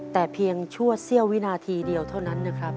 แต่เพียงชั่วเสี้ยววินาทีเดียวเท่านั้นนะครับ